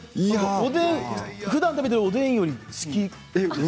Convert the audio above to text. ふだん食べているおでんより好き。